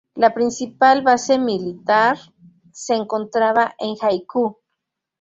La principal base militar se encontraba en Haiku.